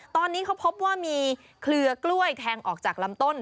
ตอนนี้เขาพบว่ามีเครือกล้วยแทงออกจากลำต้น